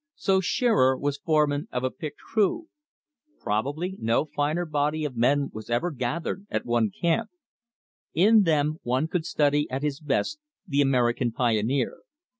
So Shearer was foreman of a picked crew. Probably no finer body of men was ever gathered at one camp. In them one could study at his best the American pioneer.